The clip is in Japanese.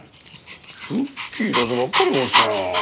クッキーだとばっかり思ってたよ。